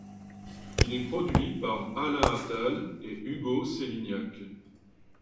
Il est produit par Alain Attal et Hugo Sélignac.